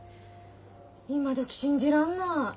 今どき信じらんない。